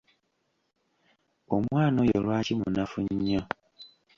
Omwana oyo lwaki munafu nnyo?